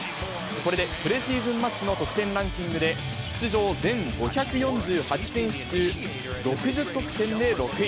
これでプレシーズンマッチの得点ランキングで、出場全５４８選手中６０得点で６位。